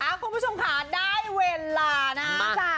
คุณผู้ชมค่ะได้เวลานะจ๊ะ